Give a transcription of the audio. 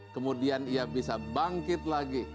kemudian ia bisa bangkit lagi